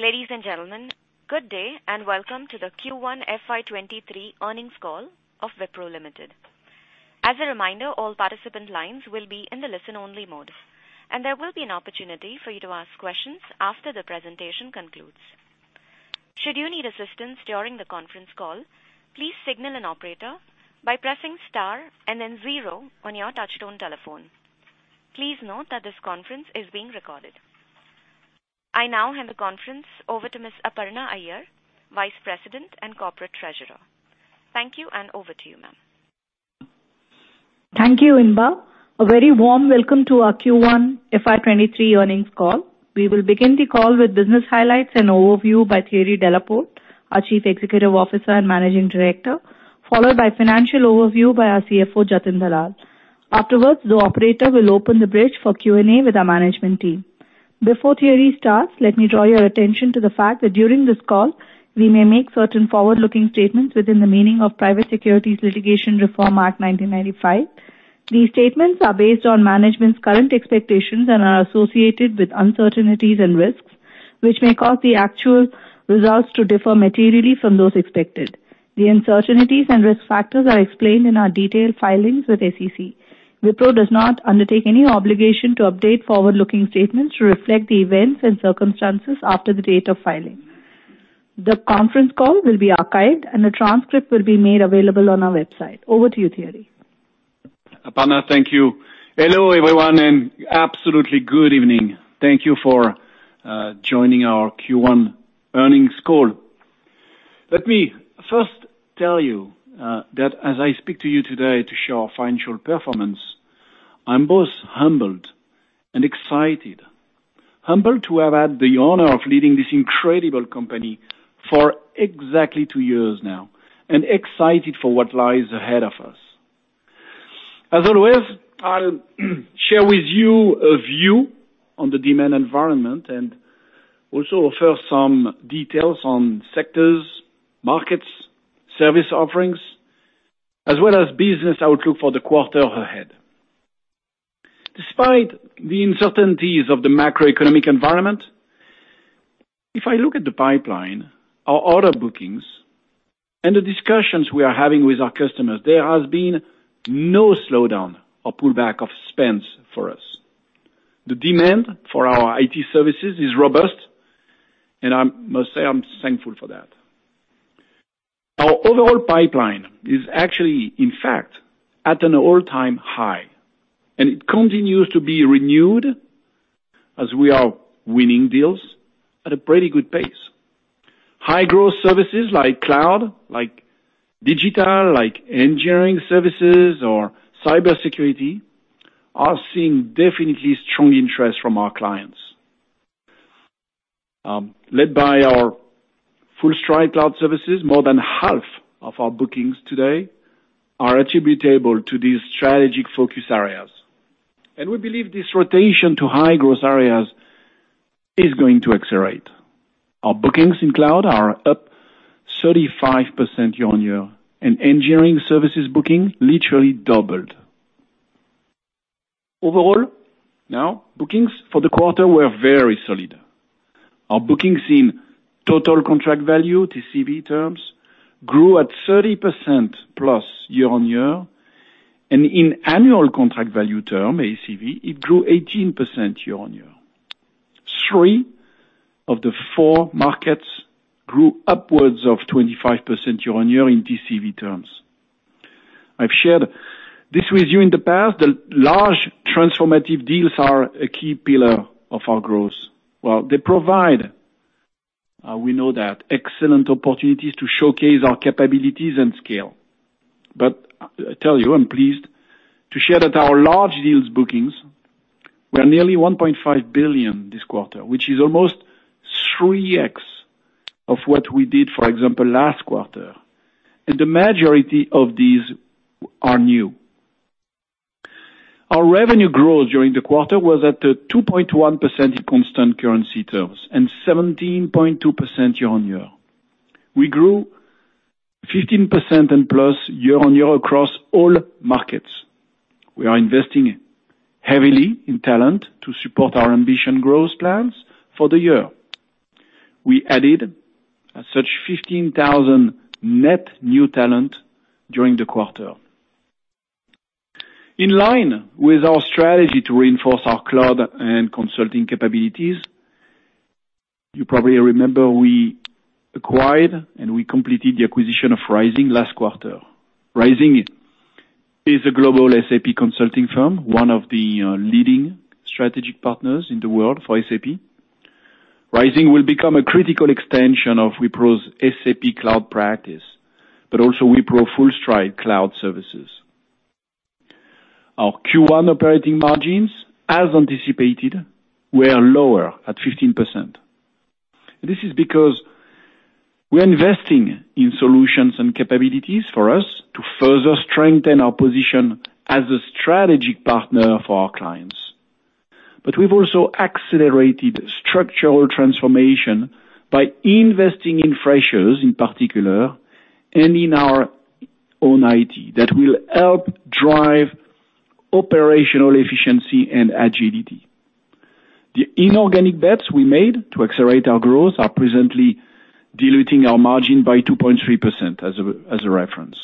Ladies and gentlemen, good day and welcome to the Q1 FY 2023 earnings call of Wipro Limited. As a reminder, all participant lines will be in the listen-only mode, and there will be an opportunity for you to ask questions after the presentation concludes. Should you need assistance during the conference call, please signal an operator by pressing star and then zero on your touchtone telephone. Please note that this conference is being recorded. I now hand the conference over to Ms. Aparna Iyer, Vice President and Corporate Treasurer. Thank you, and over to you, ma'am. Thank you, Inba. A very warm welcome to our Q1 FY 2023 earnings call. We will begin the call with business highlights and overview by Thierry Delaporte, our Chief Executive Officer and Managing Director, followed by financial overview by our CFO, Jatin Dalal. Afterwards, the operator will open the bridge for Q&A with our management team. Before Thierry starts, let me draw your attention to the fact that during this call, we may make certain forward-looking statements within the meaning of Private Securities Litigation Reform Act of 1995. These statements are based on management's current expectations and are associated with uncertainties and risks, which may cause the actual results to differ materially from those expected. The uncertainties and risk factors are explained in our detailed filings with SEC. Wipro does not undertake any obligation to update forward-looking statements to reflect the events and circumstances after the date of filing. The conference call will be archived, and a transcript will be made available on our website. Over to you, Thierry. Aparna, thank you. Hello, everyone, and absolutely good evening. Thank you for joining our Q1 earnings call. Let me first tell you that as I speak to you today to show our financial performance, I'm both humbled and excited. Humbled to have had the honor of leading this incredible company for exactly two years now and excited for what lies ahead of us. As always, I'll share with you a view on the demand environment and also offer some details on sectors, markets, service offerings, as well as business outlook for the quarter ahead. Despite the uncertainties of the macroeconomic environment, if I look at the pipeline, our order bookings and the discussions we are having with our customers, there has been no slowdown or pullback of spends for us. The demand for our IT services is robust, and I must say I'm thankful for that. Our overall pipeline is actually, in fact, at an all-time high, and it continues to be renewed as we are winning deals at a pretty good pace. High-growth services like cloud, like digital, like engineering services or cybersecurity are seeing definitely strong interest from our clients. Led by our FullStride Cloud Services, more than half of our bookings today are attributable to these strategic focus areas. We believe this rotation to high-growth areas is going to accelerate. Our bookings in cloud are up 35% year-on-year, and engineering services booking literally doubled. Overall, now, bookings for the quarter were very solid. Our bookings in total contract value, TCV terms, grew at 30%+ year-on-year and in annual contract value term, ACV, it grew 18% year-on-year. Three of the four markets grew upwards of 25% year-on-year in TCV terms. I've shared this with you in the past, the large transformative deals are a key pillar of our growth. Well, they provide, we know that, excellent opportunities to showcase our capabilities and scale. But I tell you, I'm pleased to share that our large deals bookings were nearly $1.5 billion this quarter, which is almost 3x of what we did, for example, last quarter. The majority of these are new. Our revenue growth during the quarter was at 2.1% in constant currency terms and 17.2% year-on-year. We grew 15%+ year-on-year across all markets. We are investing heavily in talent to support our ambitious growth plans for the year. We added as such 15,000 net new talent during the quarter. In line with our strategy to reinforce our cloud and consulting capabilities, you probably remember we acquired and we completed the acquisition of Rizing last quarter. Rizing is a global SAP consulting firm, one of the leading strategic partners in the world for SAP. Rizing will become a critical extension of Wipro's SAP cloud practice, but also Wipro FullStride Cloud Services. Our Q1 operating margins, as anticipated, were lower at 15%. This is because we're investing in solutions and capabilities for us to further strengthen our position as a strategic partner for our clients. We've also accelerated structural transformation by investing in freshers, in particular, and in our own IT that will help drive operational efficiency and agility. The inorganic bets we made to accelerate our growth are presently diluting our margin by 2.3% as a reference.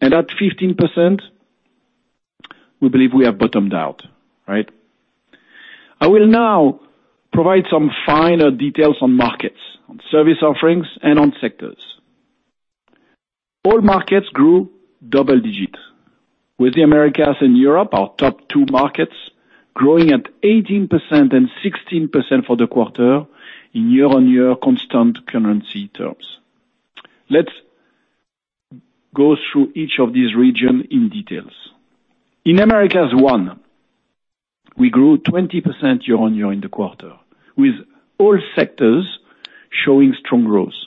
At 15%, we believe we have bottomed out, right? I will now provide some finer details on markets, on service offerings, and on sectors. All markets grew double digits, with the Americas and Europe, our top two markets, growing at 18% and 16% for the quarter in year-on-year constant currency terms. Let's go through each of these regions in detail. In Americas 1, we grew 20% year-on-year in the quarter, with all sectors showing strong growth.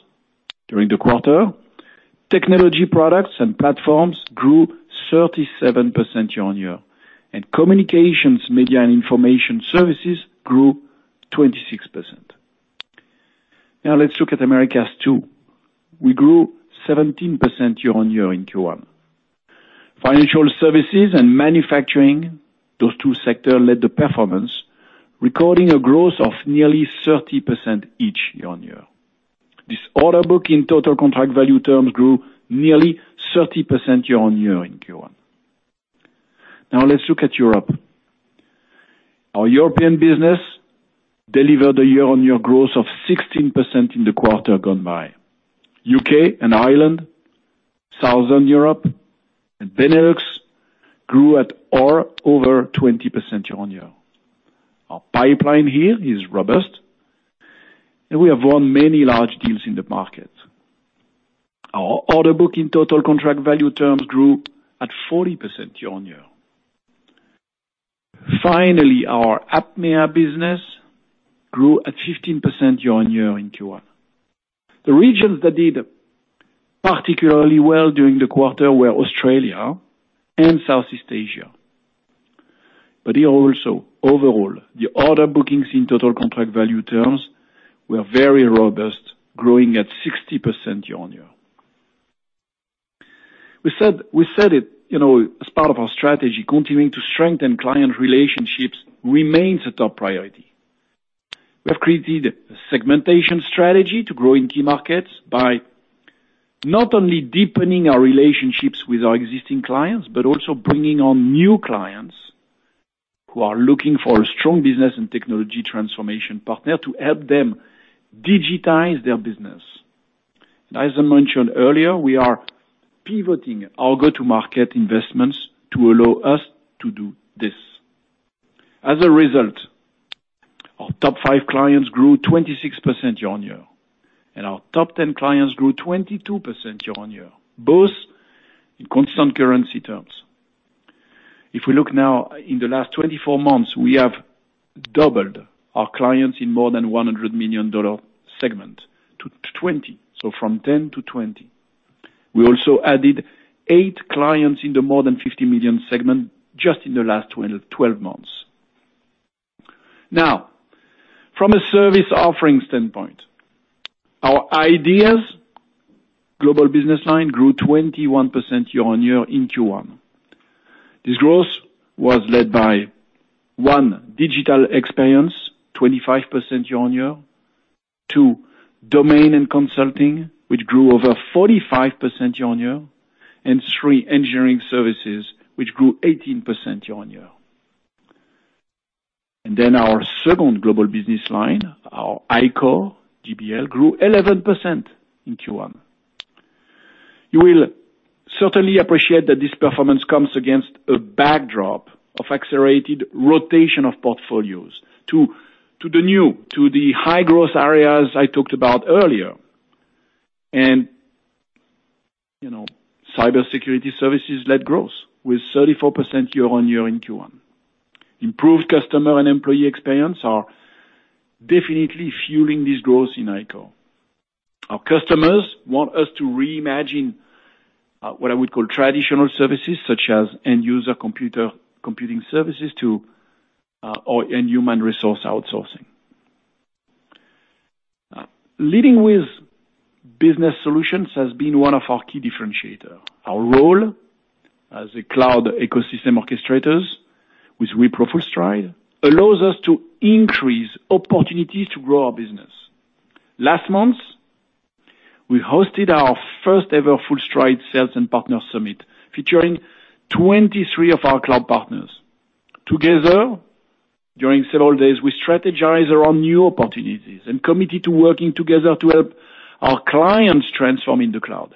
During the quarter, technology products and platforms grew 37% year-on-year. Communications, media, and information services grew 26% year-on-year. Now let's look at Americas 2. We grew 17% year-on-year in Q1. Financial services and manufacturing, those two sectors led the performance, recording a growth of nearly 30% each year-on-year. This order book in total contract value terms grew nearly 30% year-on-year in Q1. Now let's look at Europe. Our European business delivered a year-on-year growth of 16% in the quarter gone by. U.K. and Ireland, Southern Europe, and Benelux grew at or over 20% year-on-year. Our pipeline here is robust, and we have won many large deals in the market. Our order book in total contract value terms grew at 40% year-on-year. Finally, our APMEA business grew at 15% year-on-year in Q1. The regions that did particularly well during the quarter were Australia and Southeast Asia. Here also, overall, the order bookings in total contract value terms were very robust, growing at 60% year-on-year. We said it, you know, as part of our strategy, continuing to strengthen client relationships remains a top priority. We have created a segmentation strategy to grow in key markets by not only deepening our relationships with our existing clients, but also bringing on new clients who are looking for a strong business and technology transformation partner to help them digitize their business. As I mentioned earlier, we are pivoting our go-to-market investments to allow us to do this. As a result, our top five clients grew 26% year-on-year, and our top ten clients grew 22% year-on-year, both in constant currency terms. If we look now, in the last 24 months, we have doubled our clients in more than $100 million segment to 2020, so from 10-20. We also added eight clients in the more than $50 million segment just in the last 12 months. Now, from a service offering standpoint, our iDEAS global business line grew 21% year-on-year in Q1. This growth was led by, one, digital experience, 25% year-on-year. Two, domain and consulting, which grew over 45% year-on-year. And three, engineering services, which grew 18% year-on-year. Our second global business line, our iCORE GBL, grew 11% in Q1. You will certainly appreciate that this performance comes against a backdrop of accelerated rotation of portfolios to the high-growth areas I talked about earlier. You know, cybersecurity services led growth with 34% year-on-year in Q1. Improved customer and employee experience are definitely fueling this growth in iCORE. Our customers want us to reimagine what I would call traditional services such as end-user computing services and human resource outsourcing. Leading with business solutions has been one of our key differentiator. Our role as a cloud ecosystem orchestrator with Wipro FullStride allows us to increase opportunities to grow our business. Last month, we hosted our first-ever FullStride Sales and Partner Summit, featuring 23 of our cloud partners. Together, during several days, we strategized around new opportunities and committed to working together to help our clients transform in the cloud.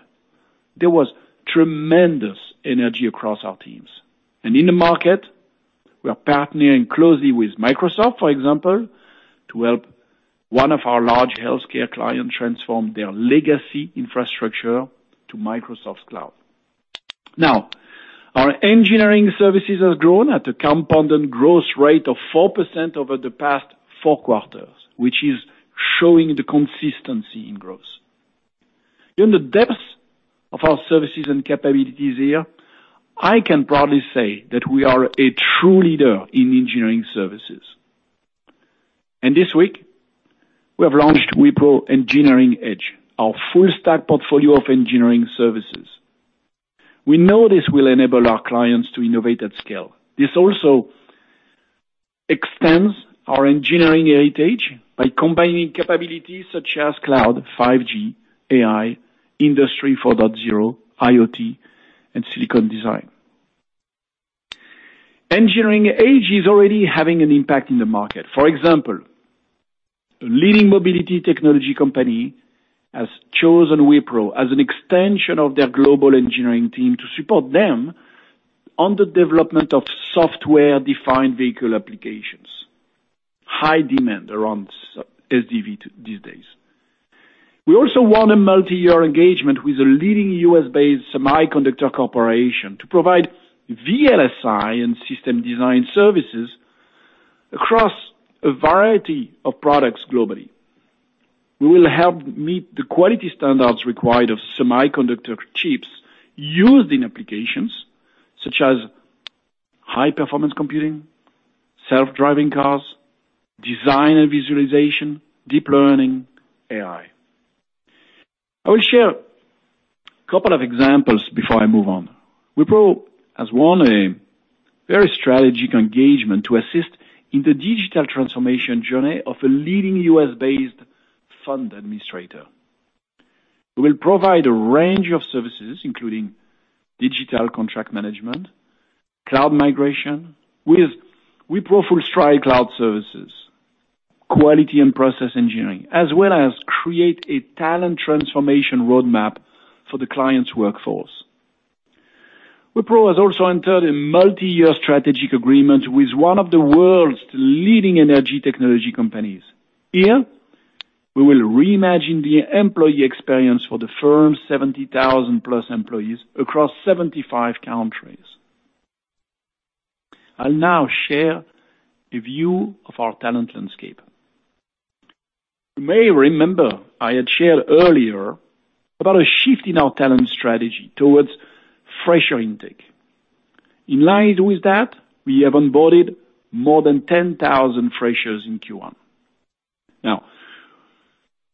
There was tremendous energy across our teams. In the market, we are partnering closely with Microsoft, for example, to help one of our large healthcare clients transform their legacy infrastructure to Microsoft's cloud. Our engineering services have grown at a compounded growth rate of 4% over the past four quarters, which is showing the consistency in growth. In the depth of our services and capabilities here, I can proudly say that we are a true leader in engineering services. This week we have launched Wipro Engineering Edge, our full stack portfolio of engineering services. We know this will enable our clients to innovate at scale. This also extends our engineering heritage by combining capabilities such as cloud, 5G, AI, Industry 4.0, IoT, and silicon design. Engineering Edge is already having an impact in the market. For example, a leading mobility technology company has chosen Wipro as an extension of their global engineering team to support them on the development of software-defined vehicle applications. High demand around SDV these days. We also won a multi-year engagement with a leading U.S.-based semiconductor corporation to provide VLSI and system design services across a variety of products globally. We will help meet the quality standards required of semiconductor chips used in applications such as high-performance computing, self-driving cars, design and visualization, deep learning, AI. I will share a couple of examples before I move on. Wipro has won a very strategic engagement to assist in the digital transformation journey of a leading U.S.-based fund administrator. We will provide a range of services, including digital contract management, cloud migration with Wipro FullStride Cloud Services, quality and process engineering, as well as create a talent transformation roadmap for the client's workforce. Wipro has also entered a multi-year strategic agreement with one of the world's leading energy technology companies. Here, we will reimagine the employee experience for the firm's 70,000-plus employees across 75 countries. I'll now share a view of our talent landscape. You may remember I had shared earlier about a shift in our talent strategy towards fresher intake. In line with that, we have onboarded more than 10,000 freshers in Q1. Now,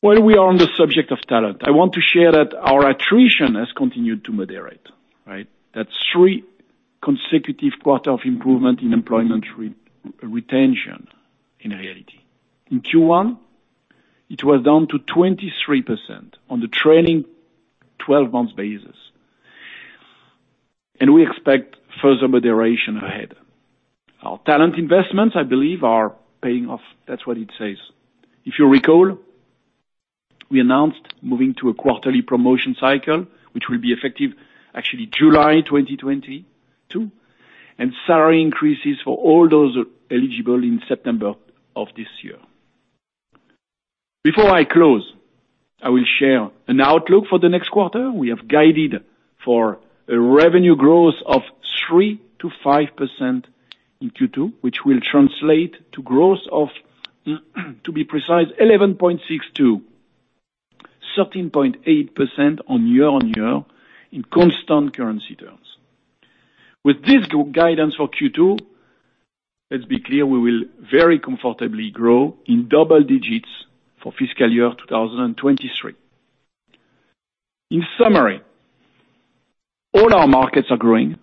while we are on the subject of talent, I want to share that our attrition has continued to moderate, right? That's three consecutive quarters of improvement in employment retention, in reality. In Q1, it was down to 23% on the trailing twelve months basis. We expect further moderation ahead. Our talent investments, I believe, are paying off. That's what it says. If you recall, we announced moving to a quarterly promotion cycle, which will be effective, actually July 2022, and salary increases for all those eligible in September of this year. Before I close, I will share an outlook for the next quarter. We have guided for a revenue growth of 3%-5% in Q2, which will translate to growth of, to be precise, 11.62%-13.8% year-on-year in constant currency terms. With this guidance for Q2, let's be clear, we will very comfortably grow in double digits for fiscal year 2023. In summary, all our markets are growing.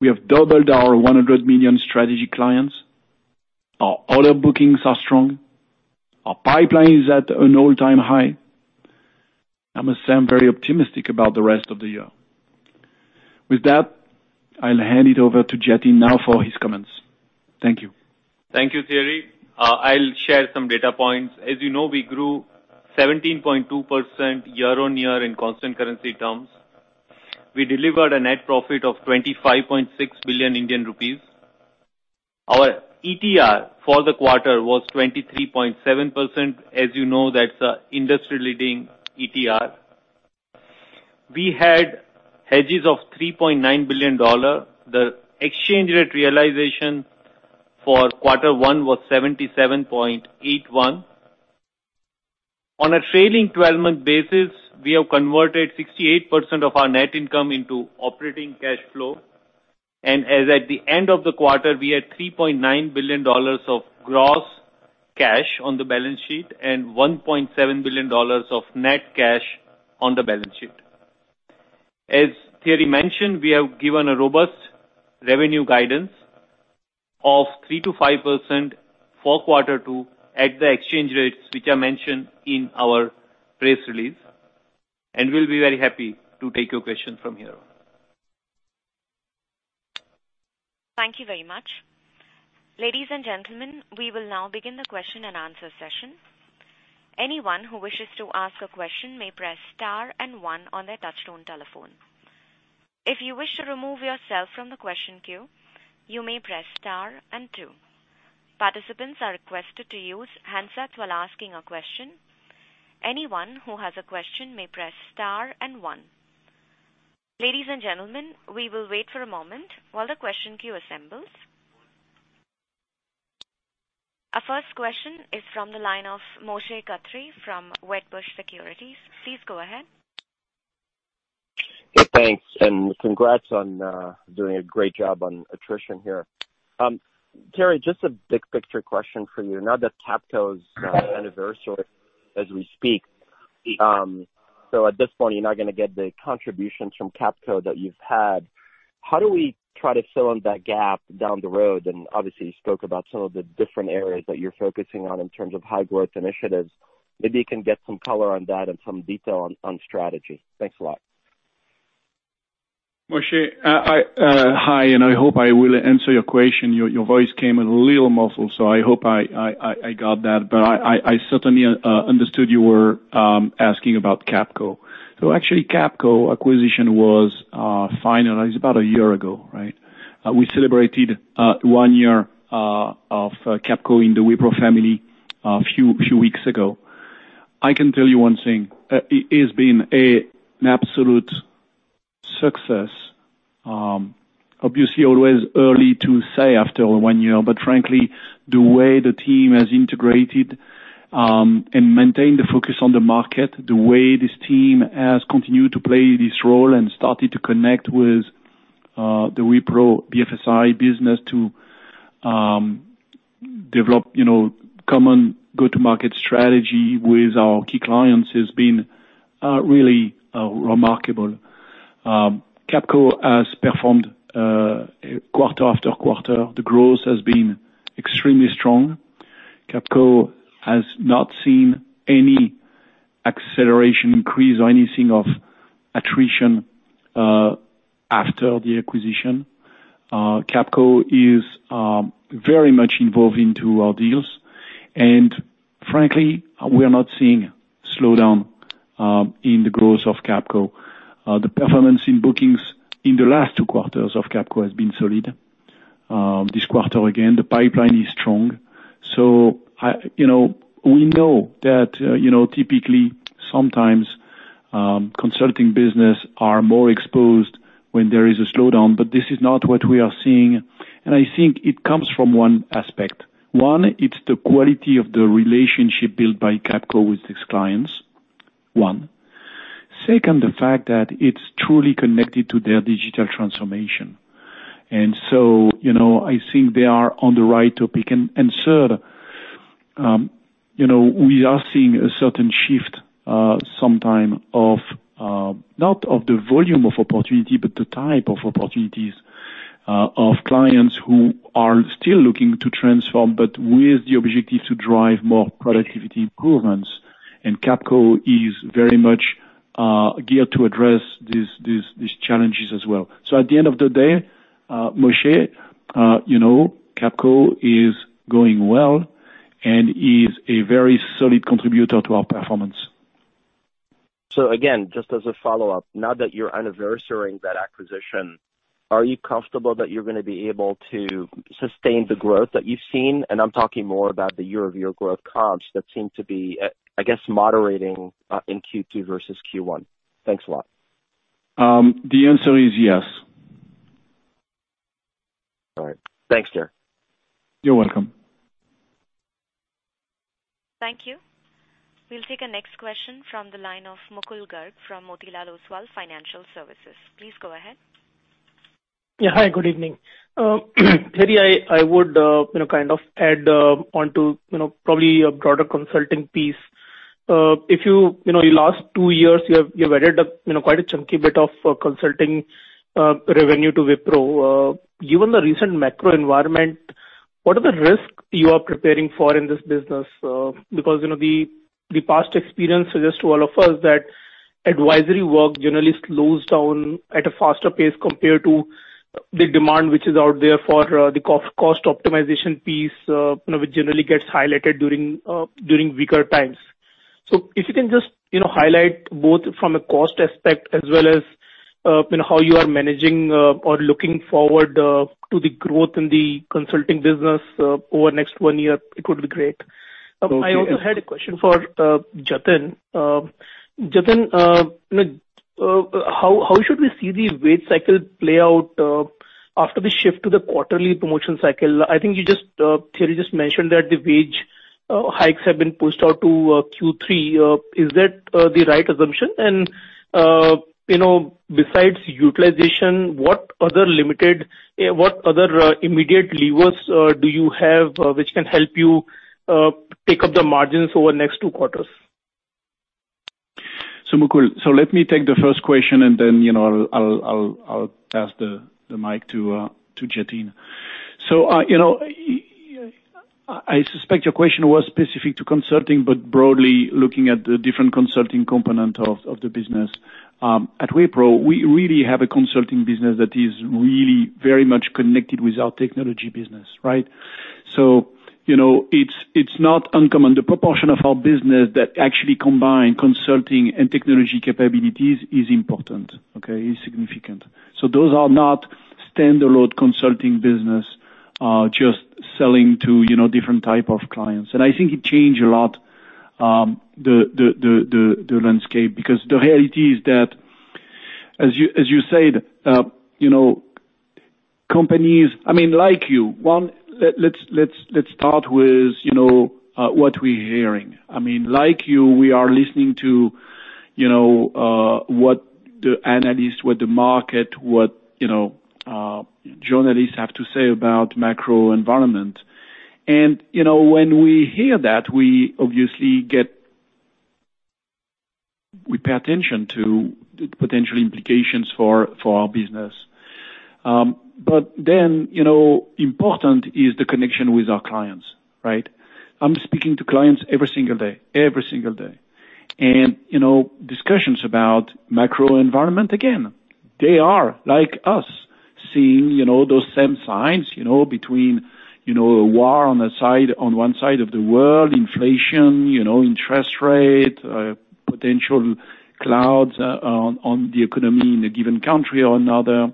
We have doubled our 100 million strategic clients. Our order bookings are strong. Our pipeline is at an all-time high. I must say I'm very optimistic about the rest of the year. With that, I'll hand it over to Jatin Dalal now for his comments. Thank you. Thank you, Thierry. I'll share some data points. As you know, we grew 17.2% year-on-year in constant currency terms. We delivered a net profit of 25.6 billion Indian rupees. Our ETR for the quarter was 23.7%. As you know, that's an industry-leading ETR. We had hedges of $3.9 billion. The exchange rate realization for quarter one was 77.81. On a trailing 12-month basis, we have converted 68% of our net income into operating cash flow. As at the end of the quarter, we had $3.9 billion of gross cash on the balance sheet and $1.7 billion of net cash on the balance sheet. As Thierry mentioned, we have given a robust revenue guidance of 3%-5% for quarter two at the exchange rates which are mentioned in our press release, and we'll be very happy to take your question from here. Thank you very much. Ladies and gentlemen, we will now begin the question-and-answer session. Anyone who wishes to ask a question may press star and one on their touchtone telephone. If you wish to remove yourself from the question queue, you may press star and two. Participants are requested to use handsets while asking a question. Anyone who has a question may press star and one. Ladies and gentlemen, we will wait for a moment while the question queue assembles. Our first question is from the line of Moshe Katri from Wedbush Securities. Please go ahead. Thanks, and congrats on doing a great job on attrition here. Thierry, just a big picture question for you. Now that Capco's anniversary as we speak, at this point, you're not gonna get the contributions from Capco that you've had. How do we try to fill in that gap down the road? Obviously, you spoke about some of the different areas that you're focusing on in terms of high growth initiatives. Maybe you can get some color on that and some detail on strategy. Thanks a lot. Moshe, hi, and I hope I will answer your question. Your voice came a little muffled, so I hope I got that. I certainly understood you were asking about Capco. Actually, Capco acquisition was finalized about a year ago, right? We celebrated one year of Capco in the Wipro family a few weeks ago. I can tell you one thing. It has been an absolute success. Obviously, always early to say after one year, but frankly, the way the team has integrated and maintained the focus on the market, the way this team has continued to play this role and started to connect with the Wipro BFSI business to develop, you know, common go-to-market strategy with our key clients has been really remarkable. Capco has performed quarter-after-quarter. The growth has been extremely strong. Capco has not seen any acceleration increase or anything of attrition after the acquisition. Capco is very much involved into our deals. And frankly, we are not seeing slowdown in the growth of Capco. The performance in bookings in the last two quarters of Capco has been solid. This quarter, again, the pipeline is strong. So, you know, we know that, you know, typically sometimes, consulting business are more exposed when there is a slowdown, but this is not what we are seeing. I think it comes from one aspect. One, it's the quality of the relationship built by Capco with these clients. One. Second, the fact that it's truly connected to their digital transformation. You know, I think they are on the right topic. Third, you know, we are seeing a certain shift somewhat in, not in the volume of opportunity, but the type of opportunities of clients who are still looking to transform, but with the objective to drive more productivity improvements. Capco is very much geared to address these challenges as well. At the end of the day, Moshe, you know, Capco is going well and is a very solid contributor to our performance. Again, just as a follow-up, now that you're anniversarying that acquisition, are you comfortable that you're gonna be able to sustain the growth that you've seen? I'm talking more about the year-over-year growth comps that seem to be, I guess, moderating, in Q2 versus Q1. Thanks a lot. The answer is yes. All right. Thanks, Thierry. You're welcome. Thank you. We'll take the next question from the line of Mukul Garg from Motilal Oswal Financial Services. Please go ahead. Yeah. Hi, good evening. Thierry, I would kind of add onto, you know, probably your broader consulting piece. In your last two years, you have added, you know, quite a chunky bit of consulting revenue to Wipro. Given the recent macro environment, what are the risks you are preparing for in this business? Because, you know, the past experience suggests to all of us that advisory work generally slows down at a faster pace compared to the demand which is out there for the cost optimization piece, you know, which generally gets highlighted during weaker times. If you can just, you know, highlight both from a cost aspect as well as, you know, how you are managing, or looking forward, to the growth in the consulting business, over the next one year, it would be great. I also had a question for Jatin. Jatin, you know, how should we see the wage cycle play out, after the shift to the quarterly promotion cycle? I think Thierry just mentioned that the wage hikes have been pushed out to Q3. Is that the right assumption? You know, besides utilization, what other immediate levers do you have, which can help you pick up the margins over the next two quarters? Mukul, let me take the first question, and then, you know, I'll pass the mic to Jatin. I suspect your question was specific to consulting, but broadly looking at the different consulting component of the business. At Wipro, we really have a consulting business that is really very much connected with our technology business, right? You know, it's not uncommon. The proportion of our business that actually combine consulting and technology capabilities is important, okay, is significant. Those are not standalone consulting business, just selling to, you know, different type of clients. I think it changed a lot, the landscape, because the reality is that, as you said, I mean, like, you know, let's start with what we're hearing. I mean, like you, we are listening to, you know, what the analysts, the market, journalists have to say about macro environment. You know, when we hear that, we obviously get. We pay attention to the potential implications for our business. You know, important is the connection with our clients, right? I'm speaking to clients every single day. You know, discussions about macro environment, again, they are like us, seeing, you know, those same signs, you know, between, you know, a war on one side of the world, inflation, you know, interest rate, potential clouds on the economy in a given country or another.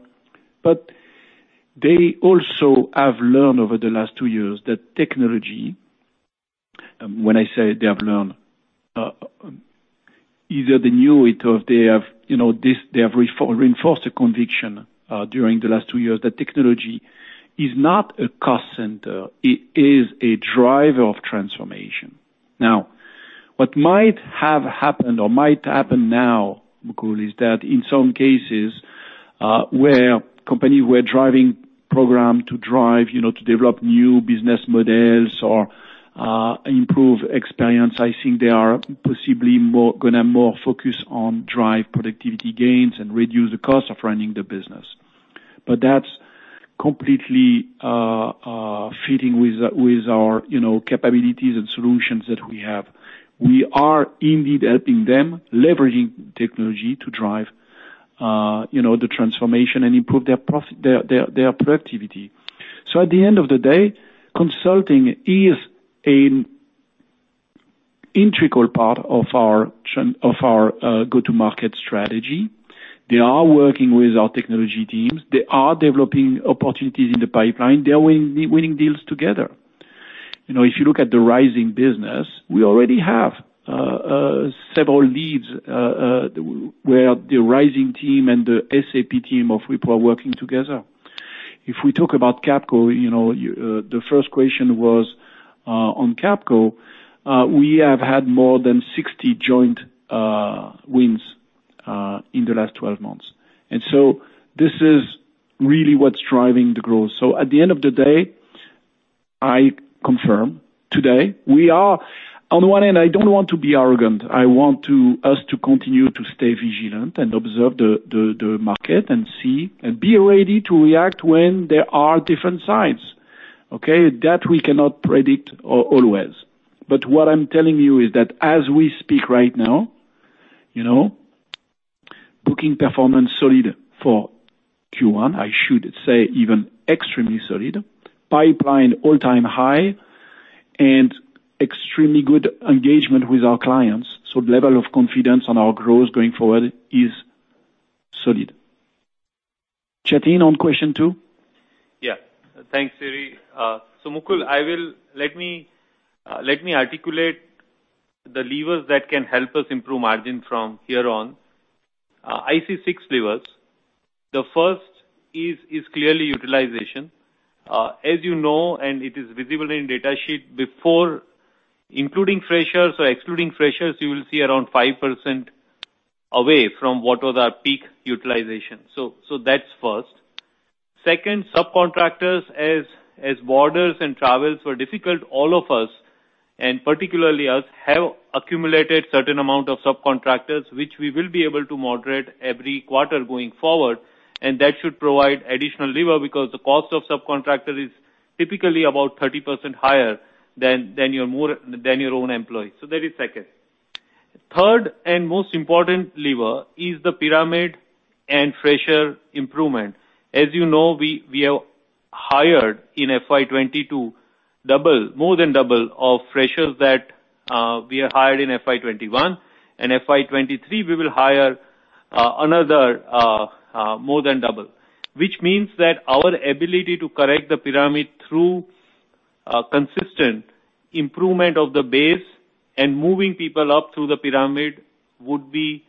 They also have learned over the last two years that technology, when I say they have learned, either they knew it or they have, you know, they have reinforced the conviction during the last two years, that technology is not a cost center. It is a driver of transformation. Now, what might have happened or might happen now, Mukul, is that in some cases, where companies were driving program to drive, you know, to develop new business models or, improve experience, I think they are possibly more gonna focus on driving productivity gains and reduce the cost of running the business. That's completely fitting with our, you know, capabilities and solutions that we have. We are indeed helping them leveraging technology to drive, you know, the transformation and improve their productivity. At the end of the day, consulting is an integral part of our go-to-market strategy. They are working with our technology teams. They are developing opportunities in the pipeline. They're winning deals together. You know, if you look at the Rizing business, we already have several leads where the Rizing team and the SAP team of Wipro are working together. If we talk about Capco, you know, the first question was on Capco. We have had more than 60 joint wins in the last 12 months. This is really what's driving the growth. At the end of the day, I confirm today, we are. On one end, I don't want to be arrogant. I want us to continue to stay vigilant and observe the market and see and be ready to react when there are different sides. Okay. That we cannot predict always. What I'm telling you is that as we speak right now, you know, booking performance solid for Q1, I should say even extremely solid, pipeline all-time high and extremely good engagement with our clients. The level of confidence on our growth going forward is solid. Jatin, on question two? Yeah. Thanks, Thierry. So Mukul, let me articulate the levers that can help us improve margin from here on. I see six levers. The first is clearly utilization. As you know, it is visible in data sheet before including freshers or excluding freshers, you will see around 5% away from what was our peak utilization. That's first. Second, subcontractors. As borders and travels were difficult, all of us, and particularly us, have accumulated certain amount of subcontractors, which we will be able to moderate every quarter going forward, and that should provide additional lever because the cost of subcontractor is typically about 30% higher than your own employees. That is second. Third and most important lever is the pyramid and fresher improvement. As you know, we have hired in FY 2022 more than double of freshers that we have hired in FY 2021. In FY 2023, we will hire another more than double. Which means that our ability to correct the pyramid through consistent improvement of the base and moving people up through the pyramid would be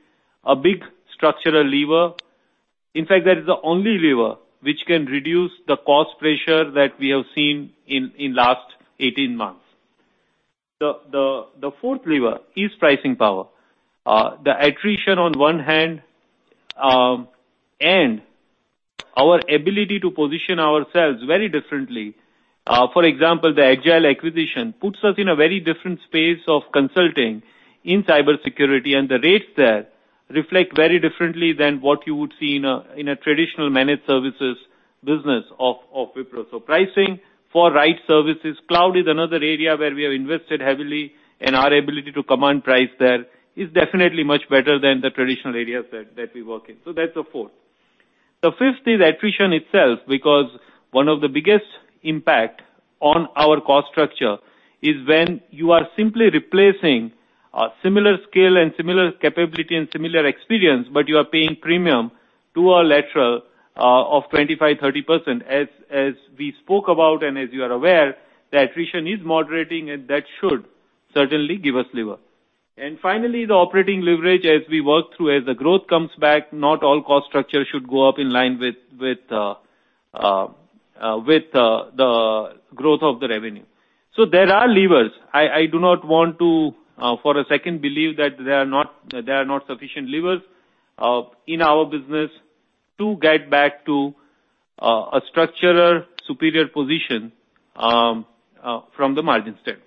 a big structural lever. In fact, that is the only lever which can reduce the cost pressure that we have seen in last 18 months. The fourth lever is pricing power. The attrition on one hand, and our ability to position ourselves very differently. For example, the Edgile acquisition puts us in a very different space of consulting in cybersecurity, and the rates there reflect very differently than what you would see in a traditional managed services business of Wipro. Pricing for right services. Cloud is another area where we have invested heavily, and our ability to command price there is definitely much better than the traditional areas that we work in. That's the fourth. The fifth is attrition itself, because one of the biggest impact on our cost structure is when you are simply replacing similar skill and similar capability and similar experience, but you are paying premium to a lateral of 25%-30%. As we spoke about and as you are aware, the attrition is moderating, and that should certainly give us leverage. Finally, the operating leverage as we work through, as the growth comes back, not all cost structure should go up in line with the growth of the revenue. There are levers. I do not want to, for a second, believe that there are not sufficient levers in our business to get back to a structural superior position from the margin standpoint.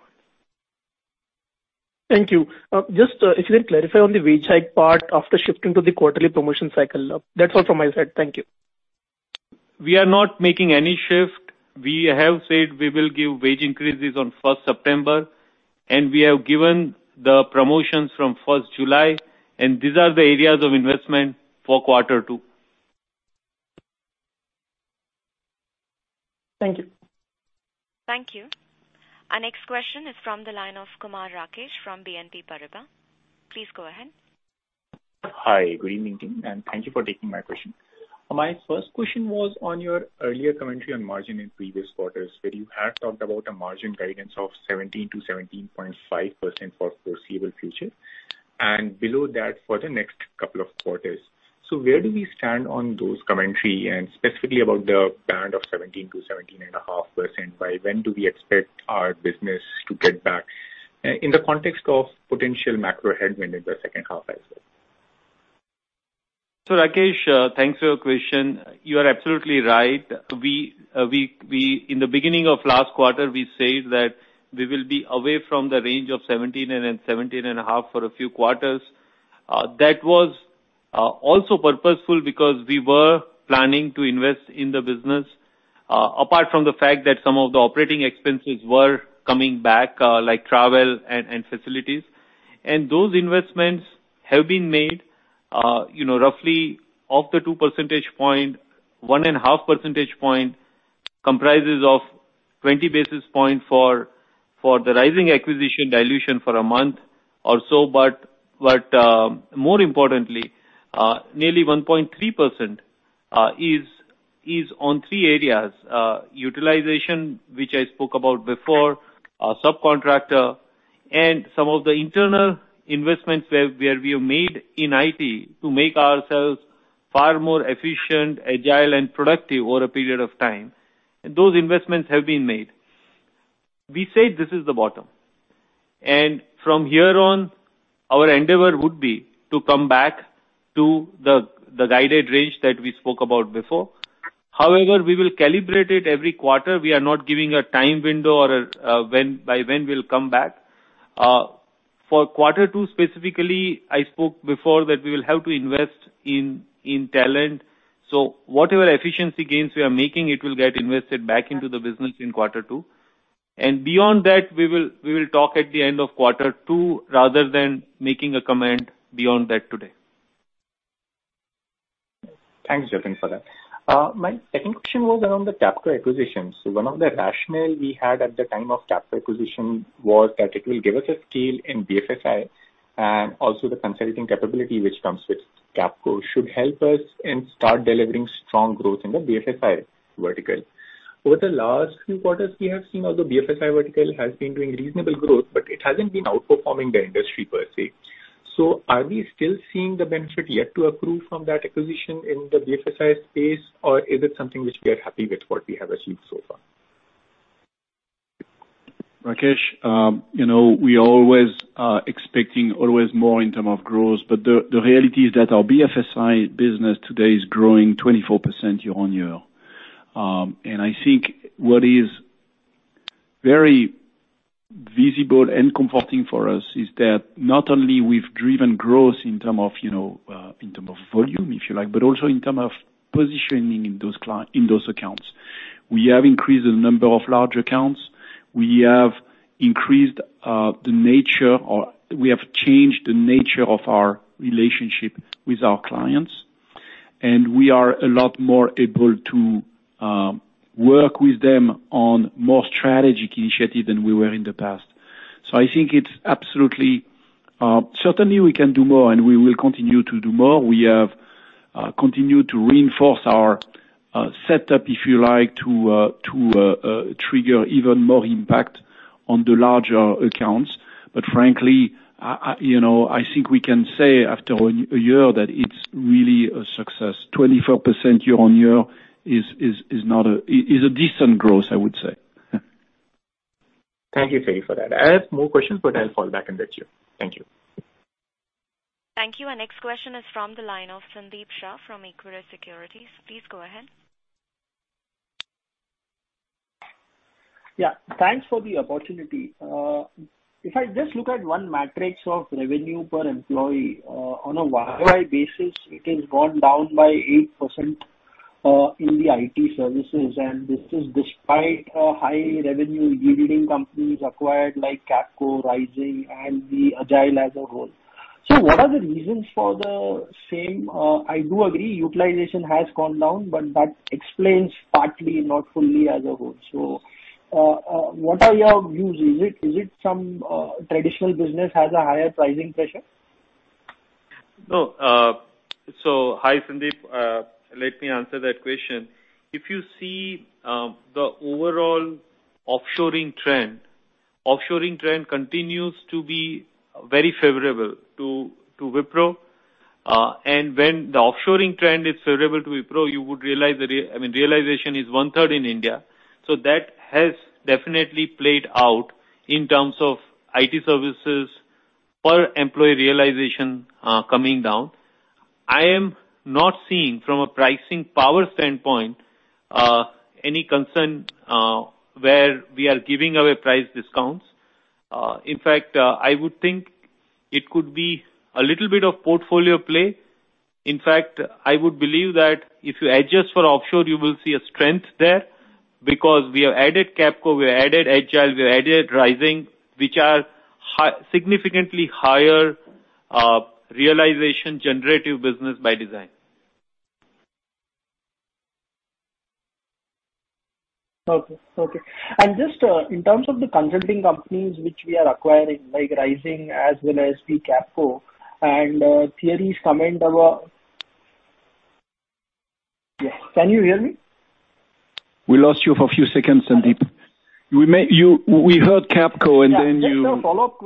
Thank you. Just, if you can clarify on the wage hike part after shifting to the quarterly promotion cycle. That's all from my side. Thank you. We are not making any shift. We have said we will give wage increases on first September, and we have given the promotions from 1st July, and these are the areas of investment for quarter two. Thank you. Thank you. Our next question is from the line of Kumar Rakesh from BNP Paribas. Please go ahead. Hi, good evening, and thank you for taking my question. My first question was on your earlier commentary on margin in previous quarters, where you had talked about a margin guidance of 17%-17.5% for foreseeable future, and below that for the next couple of quarters. Where do we stand on those commentary, and specifically about the band of 17%-17.5%? By when do we expect our business to get back in the context of potential macro headwind in the second half. Rakesh, thanks for your question. You are absolutely right. In the beginning of last quarter, we said that we will be away from the range of 17%-17.5% for a few quarters. That was also purposeful because we were planning to invest in the business, apart from the fact that some of the operating expenses were coming back, like travel and facilities. Those investments have been made, you know, roughly of the 2 percentage point, 1.5 percentage point comprises of 20 basis points for the Rizing acquisition dilution for a month or so. More importantly, nearly 1.3% is on three areas, utilization, which I spoke about before, subcontractor, and some of the internal investments where we have made in IT to make ourselves far more efficient, agile and productive over a period of time. Those investments have been made. We said this is the bottom. From here on, our endeavor would be to come back to the guided range that we spoke about before. However, we will calibrate it every quarter. We are not giving a time window or a when, by when we'll come back. For quarter two specifically, I spoke before that we will have to invest in talent. Whatever efficiency gains we are making, it will get invested back into the business in quarter two. Beyond that, we will talk at the end of quarter two rather than making a comment beyond that today. Thanks, Jatin Dalal, for that. My second question was around the Capco acquisition. One of the rationale we had at the time of Capco acquisition was that it will give us a scale in BFSI and also the consulting capability which comes with Capco should help us in start delivering strong growth in the BFSI vertical. Over the last few quarters, we have seen how the BFSI vertical has been doing reasonable growth, but it hasn't been outperforming the industry per SE. Are we still seeing the benefit yet to accrue from that acquisition in the BFSI space, or is it something which we are happy with what we have achieved so far? Rakesh, you know, we always expecting always more in terms of growth. The reality is that our BFSI business today is growing 24% year-on-year. I think what is very visible and comforting for us is that not only we've driven growth in terms of, you know, in terms of volume, if you like, but also in terms of positioning in those accounts. We have increased the number of large accounts. We have changed the nature of our relationship with our clients, and we are a lot more able to work with them on more strategic initiative than we were in the past. I think it's absolutely certainly we can do more and we will continue to do more. We have continued to reinforce our setup, if you like, to trigger even more impact on the larger accounts. Frankly, you know, I think we can say after a year that it's really a success. 24% year-on-year is a decent growth, I would say. Thank you, Thierry, for that. I have more questions, but I'll fall back and let you. Thank you. Thank you. Our next question is from the line of Sandeep Shah from Equirus Securities. Please go ahead. Yeah. Thanks for the opportunity. If I just look at one metric of revenue per employee, on a YoY basis, it has gone down by 8%, in the IT services, and this is despite high revenue yielding companies acquired like Capco, Rizing, and Edgile as a whole. What are the reasons for the same? I do agree utilization has gone down, but that explains partly, not fully as a whole. What are your views? Is it some traditional business has a higher pricing pressure? No, hi, Sandeep. Let me answer that question. If you see the overall offshoring trend continues to be very favorable to Wipro. When the offshoring trend is favorable to Wipro, you would realize that I mean, realization is one-third in India, so that has definitely played out in terms of IT services per employee realization coming down. I am not seeing from a pricing power standpoint any concern where we are giving away price discounts. In fact, I would think it could be a little bit of portfolio play. In fact, I would believe that if you adjust for offshore, you will see a strength there because we have added Capco, we added Edgile, we added Rizing, which are significantly higher realization generative business by design. Okay. Just in terms of the consulting companies which we are acquiring, like Rizing as well as Capco, and Thierry's comment about. Yes. Can you hear me? We lost you for a few seconds, Sandeep. We heard Capco and then you Yeah. Just a follow-up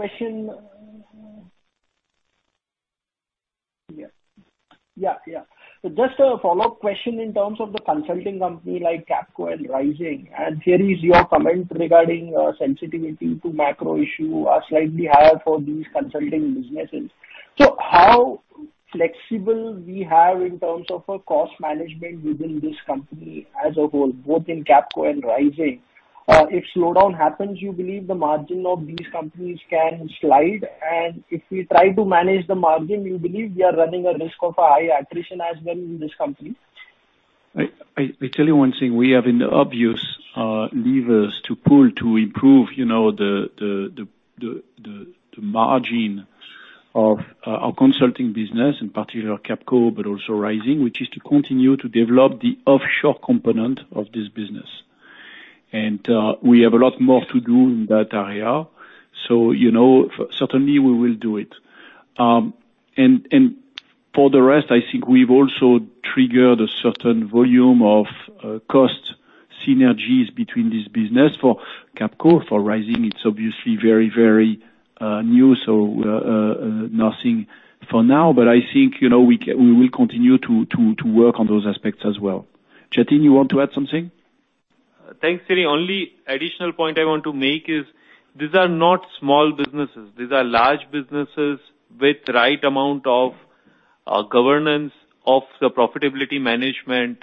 question in terms of the consulting company like Capco and Rizing, and Thierry your comment regarding sensitivity to macro issue are slightly higher for these consulting businesses. How flexible we have in terms of a cost management within this company as a whole, both in Capco and Rizing? If slowdown happens, you believe the margin of these companies can slide? If we try to manage the margin, you believe we are running a risk of a high attrition as well in this company? I tell you one thing, we have the obvious levers to pull to improve, you know, the margin of our consulting business, in particular Capco but also Rizing, which is to continue to develop the offshore component of this business. We have a lot more to do in that area, so, you know, certainly we will do it. For the rest, I think we've also triggered a certain volume of cost synergies between this business for Capco. For Rizing it's obviously very, very new, so nothing for now. I think, you know, we will continue to work on those aspects as well. Jatin, you want to add something? Thanks, Thierry. Only additional point I want to make is these are not small businesses. These are large businesses with right amount of governance of the profitability management,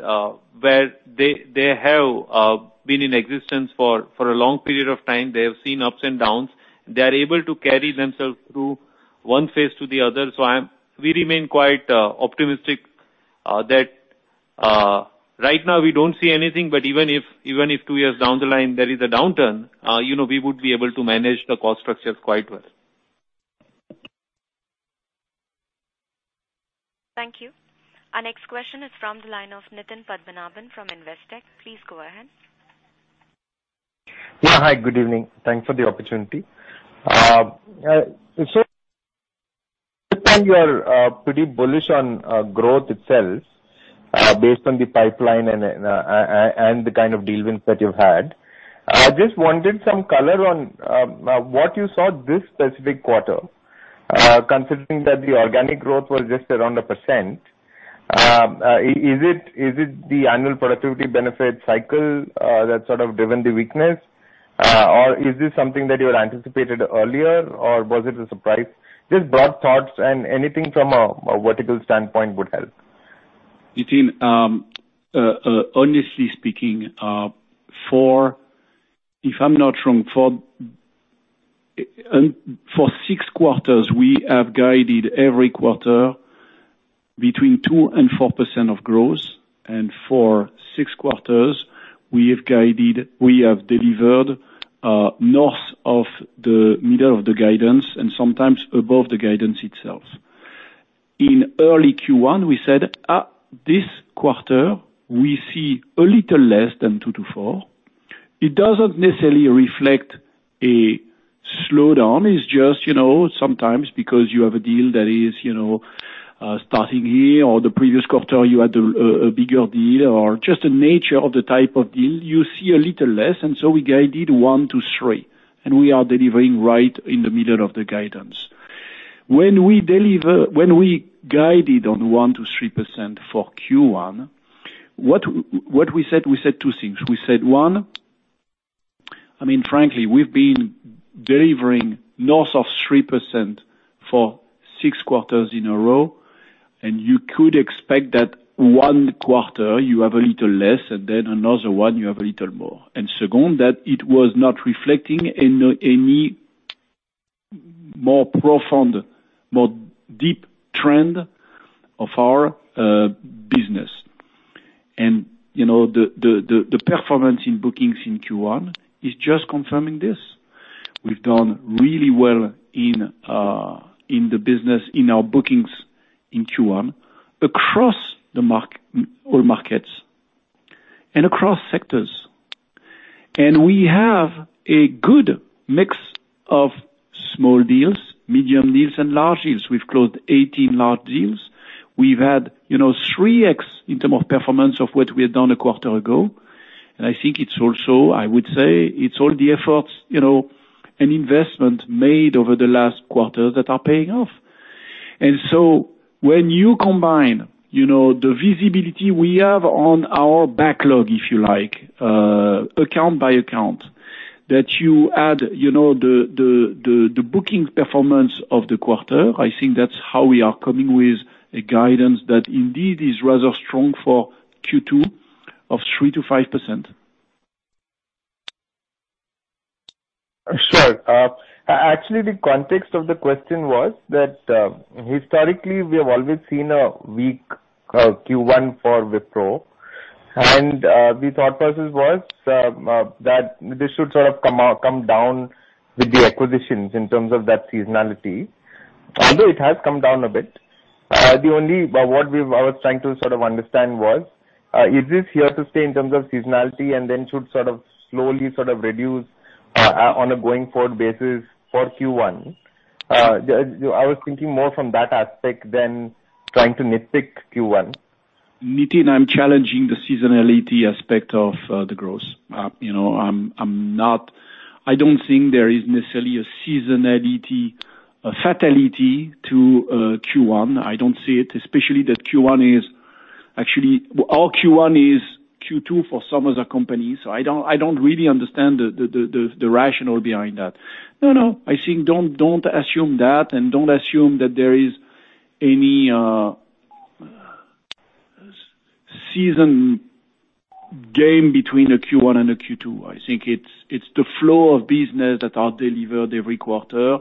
where they have been in existence for a long period of time. They have seen ups and downs. They are able to carry themselves through one phase to the other. We remain quite optimistic that right now we don't see anything, but even if two years down the line there is a downturn, you know, we would be able to manage the cost structures quite well. Thank you. Our next question is from the line of Nitin Padmanabhan from Investec. Please go ahead. Yeah. Hi, good evening. Thanks for the opportunity. You are pretty bullish on growth itself based on the pipeline and the kind of deal wins that you've had. Just wanted some color on what you saw this specific quarter considering that the organic growth was just around 1%. Is it the annual productivity benefit cycle that sort of driven the weakness? Or is this something that you had anticipated earlier, or was it a surprise? Just broad thoughts and anything from a vertical standpoint would help. Nitin, honestly speaking, if I'm not wrong, for six quarters, we have guided every quarter between 2% and 4% growth. For six quarters, we have guided, we have delivered north of the middle of the guidance and sometimes above the guidance itself. In early Q1 we said, "This quarter we see a little less than 2%-4%." It doesn't necessarily reflect a slowdown. It's just, you know, sometimes because you have a deal that is, you know, starting here or the previous quarter you had a bigger deal or just the nature of the type of deal, you see a little less. We guided 1%-3%, and we are delivering right in the middle of the guidance. When we guided on 1%-3% for Q1, what we said, we said two things. We said, one, I mean, frankly, we've been delivering north of 3% for six quarters in a row, and you could expect that one quarter you have a little less and then another one you have a little more. Second, that it was not reflecting any more profound, more deep trend of our business. You know, the performance in bookings in Q1 is just confirming this. We've done really well in the business, in our bookings in Q1 across all markets and across sectors. We have a good mix of small deals, medium deals and large deals. We've closed 18 large deals. We've had, you know, 3x in terms of performance of what we had done a quarter ago. I think it's also, I would say it's all the efforts, you know, and investment made over the last quarter that are paying off. When you combine, you know, the visibility we have on our backlog, if you like, account by account, that you add, you know, the booking performance of the quarter, I think that's how we are coming with a guidance that indeed is rather strong for Q2 of 3%-5%. Sure. Actually, the context of the question was that, historically, we have always seen a weak Q1 for Wipro. The thought process was, that this should sort of come down with the acquisitions in terms of that seasonality. Although it has come down a bit, but what we were trying to sort of understand was, is this here to stay in terms of seasonality and then should sort of slowly sort of reduce, on a going-forward basis for Q1? I was thinking more from that aspect than trying to nitpick Q1. Nitin, I'm challenging the seasonality aspect of the growth. You know, I'm not—I don't think there is necessarily a seasonality, an inevitability to Q1. I don't see it, especially that Q1 is. Actually, our Q1 is Q2 for some other companies. I don't really understand the rationale behind that. No, I think don't assume that, and don't assume that there is any seasonality between a Q1 and a Q2. I think it's the flow of business that are delivered every quarter.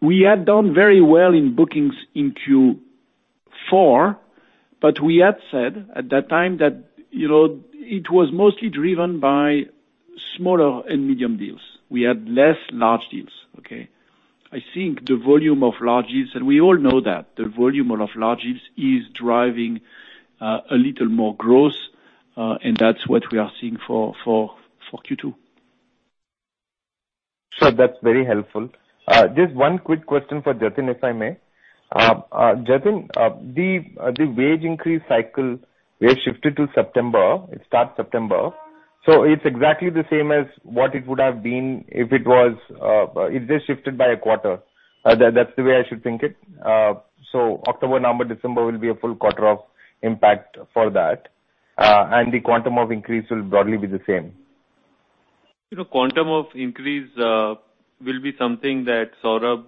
We had done very well in bookings in Q4, but we had said at that time that, you know, it was mostly driven by smaller and medium deals. We had less large deals, okay? I think the volume of large deals, and we all know that the volume of large deals is driving a little more growth, and that's what we are seeing for Q2. Sure. That's very helpful. Just one quick question for Jatin, if I may. Jatin, the wage increase cycle we have shifted to September. It starts September. It's exactly the same as what it would have been if it was, if this shifted by a quarter. That's the way I should think it. October, November, December will be a full quarter of impact for that, and the quantum of increase will broadly be the same. You know, quantum of increase will be something that Saurabh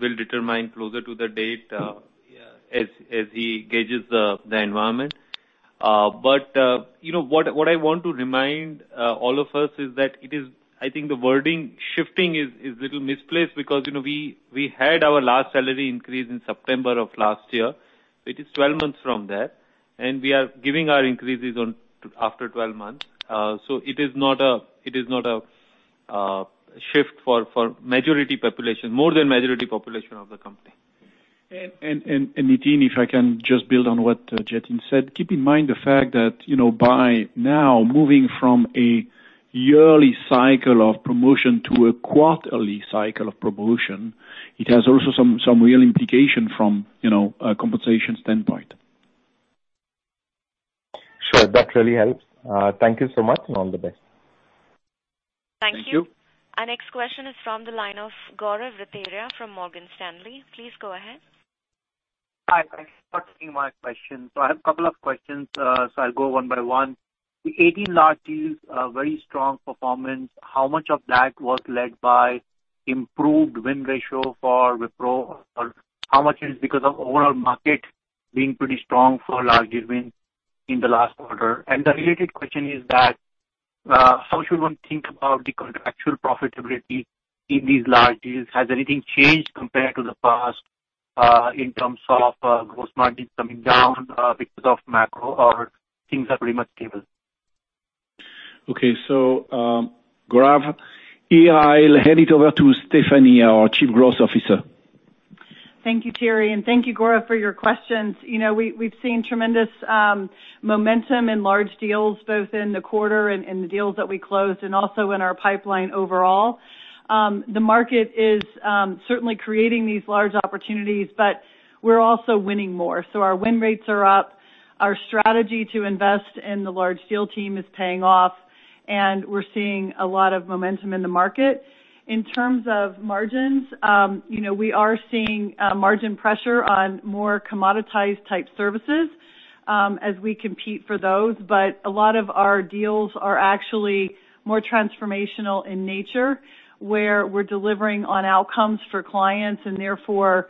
will determine closer to the date, as he gauges the environment. You know, what I want to remind all of us is that it is. I think the wording shifting is a little misplaced because, you know, we had our last salary increase in September of last year. It is 12 months from there, and we are giving our increases after 12 months. It is not a shift for majority population, more than majority population of the company. Nitin, if I can just build on what Jatin said. Keep in mind the fact that, you know, we're now moving from a yearly cycle of promotion to a quarterly cycle of promotion, it has also some real implication from, you know, a compensation standpoint. Sure. That really helps. Thank you so much, and all the best. Thank you. Thank you. Our next question is from the line of Gaurav Rateria from Morgan Stanley. Please go ahead. Hi. Thanks for taking my question. I have a couple of questions, so I'll go one by one. The 18 large deals are very strong performance. How much of that was led by improved win ratio for Wipro? Or how much is because of overall market being pretty strong for large deals wins in the last quarter? The related question is that, how should one think about the contractual profitability in these large deals? Has anything changed compared to the past, in terms of, gross margins coming down, because of macro or things are pretty much stable? Okay, Gaurav, here I'll hand it over to Stephanie, our Chief Growth Officer. Thank you, Thierry, and thank you, Gaurav, for your questions. You know, we've seen tremendous momentum in large deals, both in the quarter and in the deals that we closed and also in our pipeline overall. The market is certainly creating these large opportunities, but we're also winning more. So our win rates are up. Our strategy to invest in the large deal team is paying off, and we're seeing a lot of momentum in the market. In terms of margins, you know, we are seeing margin pressure on more commoditized type services as we compete for those. But a lot of our deals are actually more transformational in nature, where we're delivering on outcomes for clients and therefore,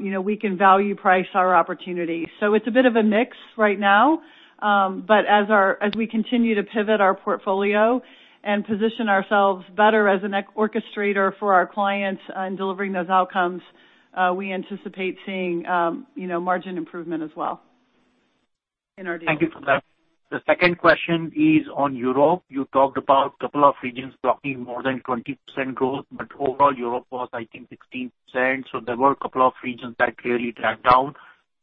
you know, we can value price our opportunities. It's a bit of a mix right now. As we continue to pivot our portfolio and position ourselves better as an orchestrator for our clients on delivering those outcomes, we anticipate seeing, you know, margin improvement as well in our deals. Thank you for that. The second question is on Europe. You talked about couple of regions blocking more than 20% growth, but overall Europe was I think 16%, so there were a couple of regions that clearly dragged down.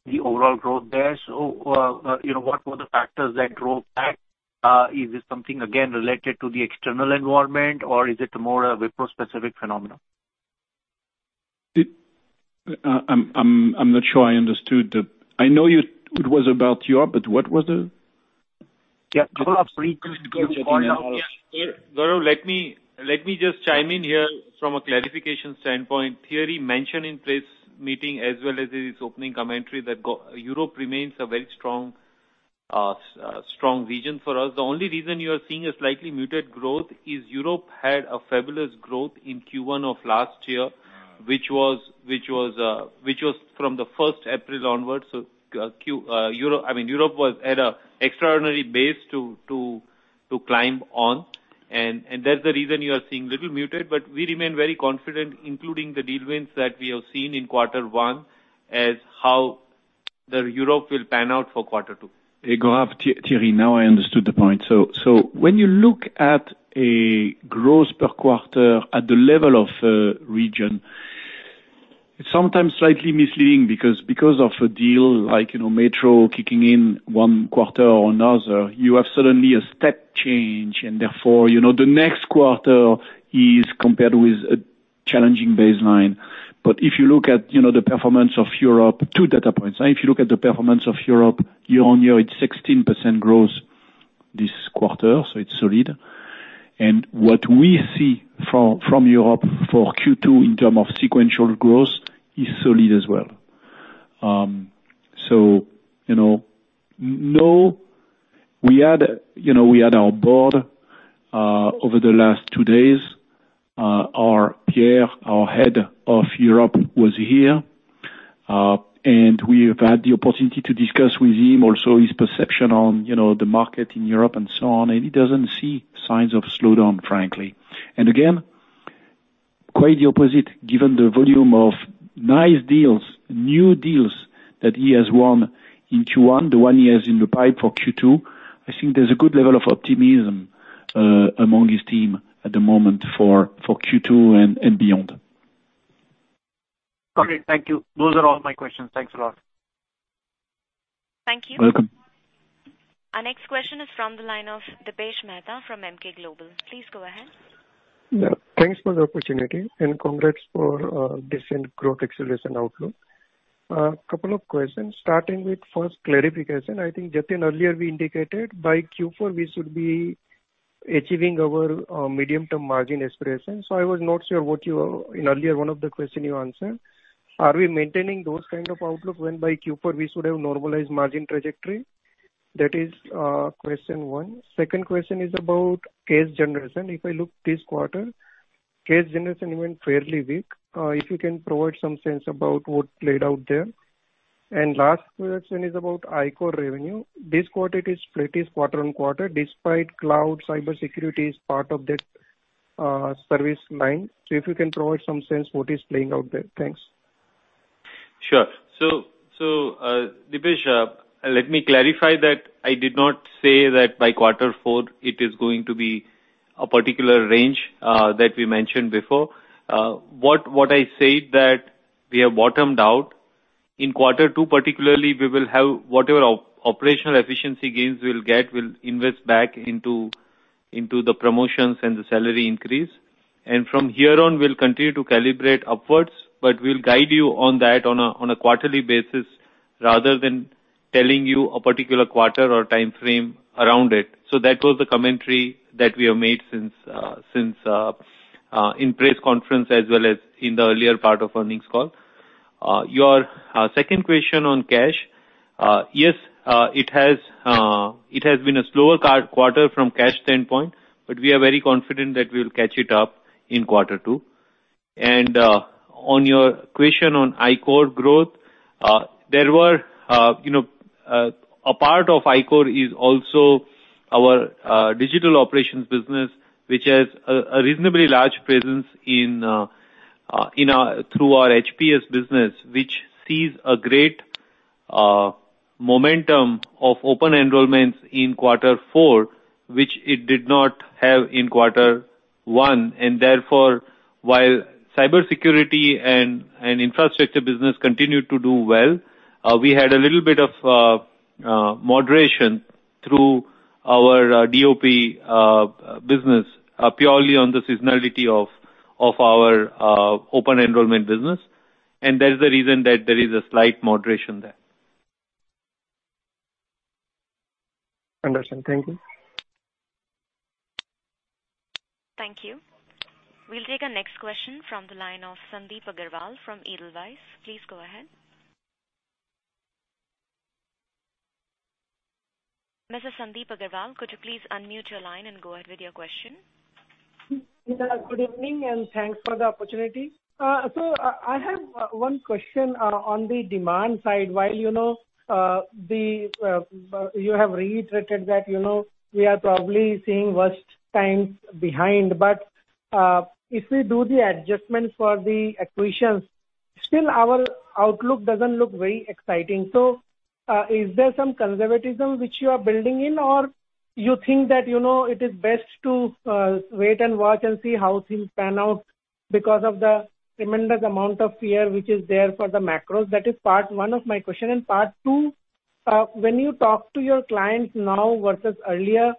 The overall growth there. You know, what were the factors that drove that? Is it something again related to the external environment or is it more a Wipro specific phenomenon? I'm not sure I understood. I know you it was about Europe, but what was the? Yeah. Gaurav, Gaurav. Yeah. Gaurav, let me just chime in here from a clarification standpoint. Thierry mentioned in today's meeting as well as in his opening commentary that Europe remains a very strong region for us. The only reason you are seeing a slightly muted growth is Europe had a fabulous growth in Q1 of last year. Mm. Which was from the first April onwards. I mean Europe was at an extraordinary base to climb on and that's the reason you are seeing a little muted. We remain very confident, including the deal wins that we have seen in quarter one, as to how Europe will pan out for quarter two. Hey, Gaurav. Thierry. Now I understood the point. When you look at a growth per quarter at the level of a region, it's sometimes slightly misleading because of a deal like, you know, Metro kicking in one quarter or another, you have suddenly a step change and therefore, you know, the next quarter is compared with a challenging baseline. If you look at the performance of Europe, two data points. If you look at the performance of Europe year-on-year, it's 16% growth this quarter, so it's solid. What we see from Europe for Q2 in terms of sequential growth is solid as well. So you know, no. We had our board over the last two days. Our Pierre, our Head of Europe was here, and we have had the opportunity to discuss with him also his perception on, you know, the market in Europe and so on. He doesn't see signs of slowdown, frankly. Again, quite the opposite, given the volume of nice deals, new deals that he has won in Q1, the ones he has in the pipeline for Q2, I think there's a good level of optimism among his team at the moment for Q2 and beyond. Okay, thank you. Those are all my questions. Thanks a lot. Thank you. Welcome. Our next question is from the line of Dipesh Mehta from Emkay Global. Please go ahead. Yeah, thanks for the opportunity and congrats for decent growth acceleration outlook. Couple of questions, starting with first clarification. I think Jatin, earlier we indicated by Q4 we should be achieving our medium-term margin aspirations. I was not sure what you said in answer to one of the questions earlier. Are we maintaining those kind of outlook when by Q4 we should have normalized margin trajectory? That is question one. Second question is about cash generation. If I look this quarter, cash generation went fairly weak. If you can provide some sense about what played out there. Last question is about iCORE revenue. This quarter it is flattish quarter-over-quarter, despite cloud, cybersecurity is part of that service line. If you can provide some sense what is playing out there. Thanks. Sure. Dipesh, let me clarify that I did not say that by quarter four it is going to be a particular range that we mentioned before. What I said that we have bottomed out. In quarter two particularly, we will have whatever operational efficiency gains we'll get, we'll invest back into the promotions and the salary increase. From here on we'll continue to calibrate upwards, but we'll guide you on that on a quarterly basis rather than telling you a particular quarter or timeframe around it. That was the commentary that we have made since in press conference as well as in the earlier part of earnings call. Your second question on cash. Yes, it has been a slower third quarter from cash standpoint, but we are very confident that we'll catch it up in quarter two. On your question on iCORE growth, you know, a part of iCORE is also our digital operations business, which has a reasonably large presence in our HPS business, which sees a great momentum of open enrollments in quarter four, which it did not have in quarter one. Therefore, while Cybersecurity and infrastructure business continued to do well, we had a little bit of moderation through our DOP business, purely on the seasonality of our open enrollment business. That is the reason that there is a slight moderation there. Understood. Thank you. Thank you. We'll take our next question from the line of Sandip Agarwal from Edelweiss. Please go ahead. Mr. Sandip Agarwal, could you please unmute your line and go ahead with your question? Yeah, good evening, and thanks for the opportunity. So I have one question on the demand side. While you know, you have reiterated that you know, we are probably seeing worst times behind, but if we do the adjustment for the acquisitions, still our outlook doesn't look very exciting. Is there some conservatism which you are building in or you think that you know, it is best to wait and watch and see how things pan out because of the tremendous amount of fear which is there for the macros? That is part one of my question. Part two, when you talk to your clients now versus earlier,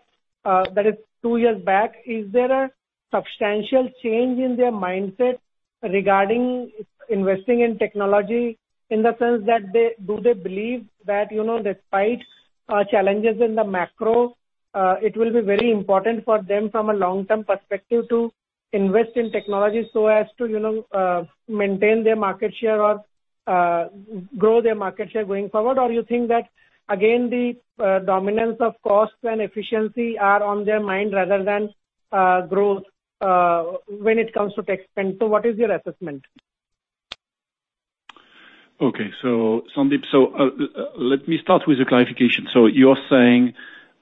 that is two years back, is there a substantial change in their mindset regarding investing in technology, in the sense that they Do they believe that, you know, despite challenges in the macro, it will be very important for them from a long-term perspective to invest in technology so as to, you know, maintain their market share or grow their market share going forward? Or you think that again, the dominance of costs and efficiency are on their mind rather than growth when it comes to tech spend? What is your assessment? Okay. Sandeep, let me start with the clarification. You're saying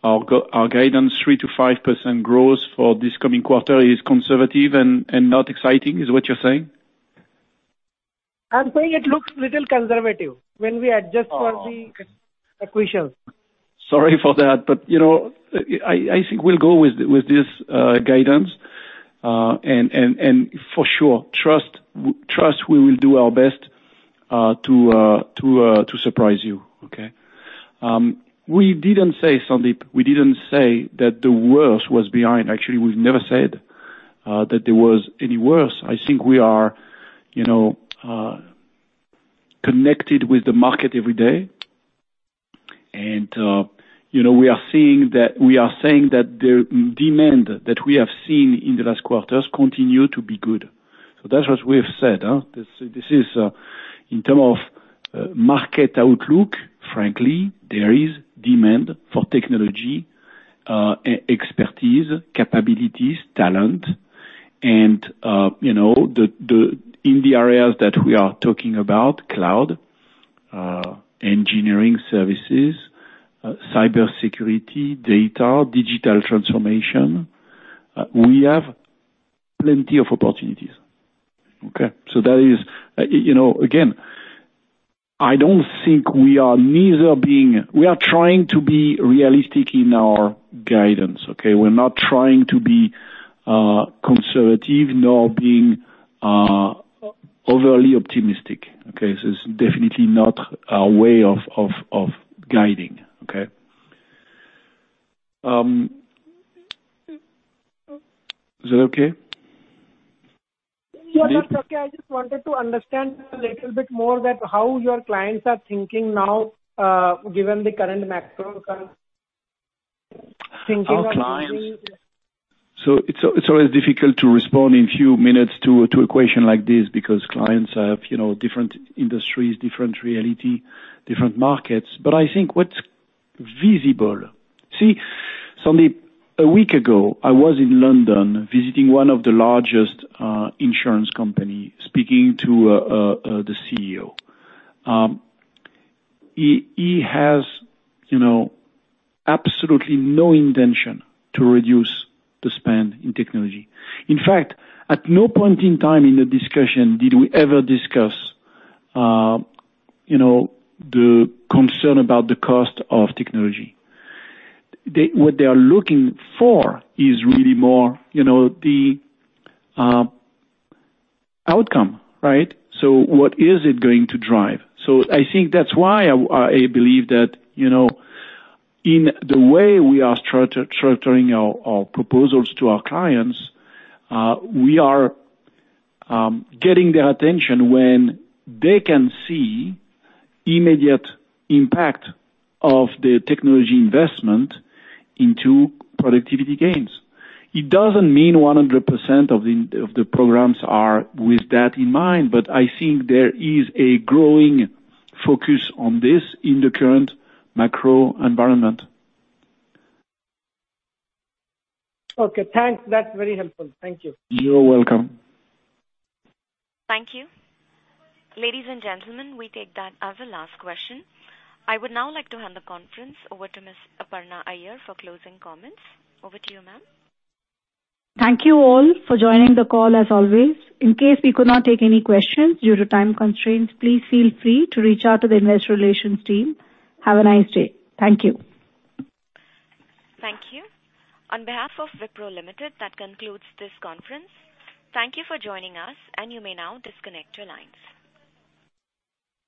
our guidance 3%-5% growth for this coming quarter is conservative and not exciting, is what you're saying? I'm saying it looks little conservative when we adjust for the acquisitions. Sorry for that. You know, I think we'll go with this guidance. For sure, trust we will do our best to surprise you, okay? We didn't say Sandip, we didn't say that the worst was behind. Actually, we've never said that there was any worse. I think we are, you know, connected with the market every day. You know, we are seeing that we are saying that the demand that we have seen in the last quarters continue to be good. That's what we have said, huh? This is in terms of market outlook, frankly, there is demand for technology expertise, capabilities, talent, and you know, the in the areas that we are talking about cloud, engineering services, cybersecurity, data, digital transformation, we have plenty of opportunities, okay? That is, you know, again, we are trying to be realistic in our guidance, okay? We're not trying to be conservative nor being overly optimistic, okay? This is definitely not our way of guiding, okay? Is that okay? Yeah, that's okay. I just wanted to understand a little bit more that how your clients are thinking now, given the current macro thinking about doing. Our clients. It's always difficult to respond in few minutes to a question like this because clients have, you know, different industries, different reality, different markets. But I think what's visible. See, Sandip, a week ago I was in London visiting one of the largest insurance company, speaking to the CEO. He has, you know, absolutely no intention to reduce the spend in technology. In fact, at no point in time in the discussion did we ever discuss, you know, the concern about the cost of technology. What they are looking for is really more, you know, the outcome, right? What is it going to drive? I think that's why I believe that, you know, in the way we are structuring our proposals to our clients, we are getting their attention when they can see immediate impact of the technology investment into productivity gains. It doesn't mean 100% of the programs are with that in mind, but I think there is a growing focus on this in the current macro environment. Okay, thanks. That's very helpful. Thank you. You're welcome. Thank you. Ladies and gentlemen, we take that as a last question. I would now like to hand the conference over to Miss Aparna Iyer for closing comments. Over to you, ma'am. Thank you all for joining the call as always. In case we could not take any questions due to time constraints, please feel free to reach out to the Investor Relations team. Have a nice day. Thank you. Thank you. On behalf of Wipro Limited, that concludes this conference. Thank you for joining us, and you may now disconnect your lines.